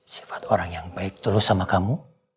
sifat orang yang baik tulus sama kamu